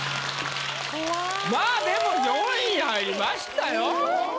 まぁでも４位に入りましたよ。